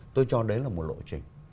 tôi cho đấy là một lộ trình